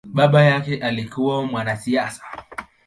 Baba yake alikua mwanasiasa.